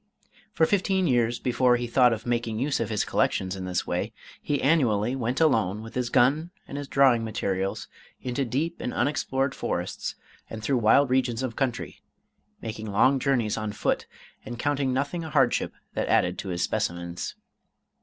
For fifteen years before he thought of making use of his collections in this way, he annually went alone with his gun and his drawing materials into deep and unexplored forests and through wild regions of country, making long journeys on foot and counting nothing a hardship that added to his specimens.